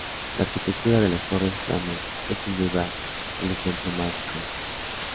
La arquitectura de las Torres Flame es sin duda el ejemplo más icónico.